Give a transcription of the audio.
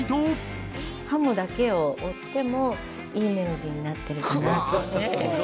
ハモだけを追ってもいいメロディーになってるかな。